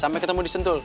sampai ketemu di sentul